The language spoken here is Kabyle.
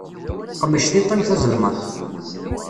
Qmec tiṭ-im tazelmaḍt.